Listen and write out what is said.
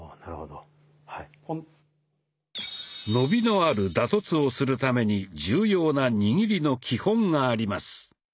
伸びのある打突をするために重要な「握りの基本」があります。